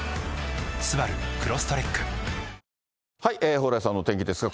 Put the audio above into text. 蓬莱さんのお天気ですが。